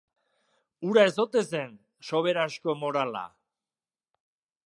Hura ez ote zen soberaxko morala?